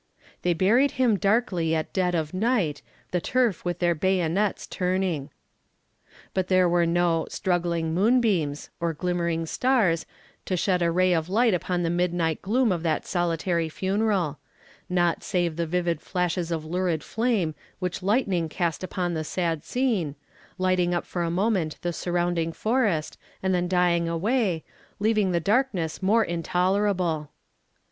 They buried him darkly at dead of night, The turf with their bayonets turning. But there were no "struggling moonbeams," or glimmering stars, to shed a ray of light upon the midnight gloom of that solitary funeral naught save the vivid flashes of lurid flame which the lightning cast upon the sad scene, lighting up for a moment the surrounding forest, and then dying away, leaving the darkness more intolerable.